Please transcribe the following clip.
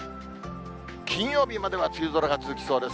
金曜日までは梅雨空が続きそうです。